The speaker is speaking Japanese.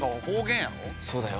そうだよ。